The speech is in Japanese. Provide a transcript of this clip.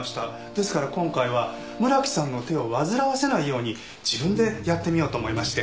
ですから今回は村木さんの手を煩わせないように自分でやってみようと思いまして。